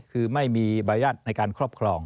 คือไม่มีใบญาตในการครอบครอง